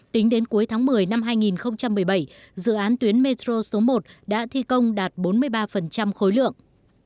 tính đến cuối tháng một mươi năm hai nghìn một mươi bảy dự án tuyến metro số một đã thi công đạt bốn mươi ba khối lượng